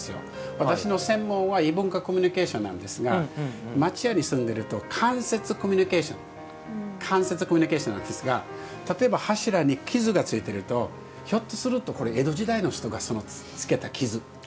私の専門は異文化コミュニケーションなんですが町家に住んでると間接コミュニケーション間接コミュニケーションなんですが例えば柱に傷が付いているとひょっとすると、これ江戸時代の人がつけた傷。